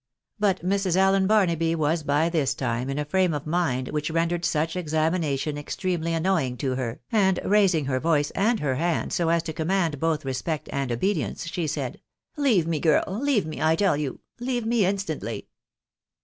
But Mrs. Allen Barnaby was by this time in a frame of mind which rendered such examination extremely annoying to her, and raising her voice and her hand so as to command both respect and obedience, Bhe said —" Leave me, girl ! Leave me, I tell you ! Leave me instantly